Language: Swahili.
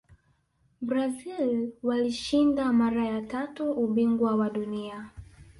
brazil walishinda mara ya tatu ubingwa wa dunia